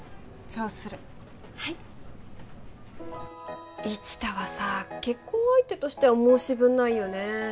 そうするはい一太はさ結婚相手としては申し分ないよね